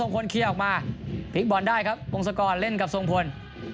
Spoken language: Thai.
พลิกบอลได้ครับวงสกรเล่นกับทรงพล